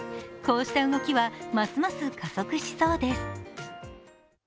こうした動きはますます加速しそうです。